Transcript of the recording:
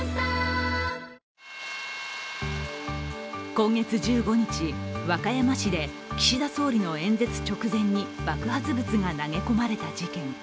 今月１５日、和歌山市で岸田総理の演説直前に爆発物が投げ込まれた事件。